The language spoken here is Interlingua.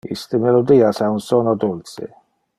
Iste melodias ha un sono dulce.